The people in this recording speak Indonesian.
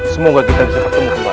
semoga kita bisa ketemu kembali